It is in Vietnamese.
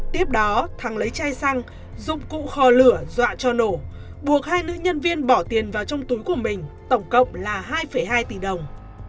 tiếp đó thắng lấy chai xăng cụ khò lửa dọa cho nổ buộc hai nữ nhân viên bỏ tiền vào trong túi của mình tổng cộng là hai hai tỷ đồng